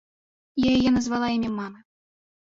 Я яе назвала імем мамы.